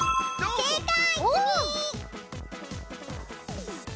せいかい！